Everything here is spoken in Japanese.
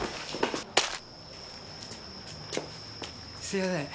すいません。